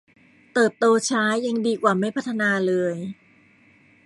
เติบโตช้ายังดีกว่าไม่พัฒนาเลย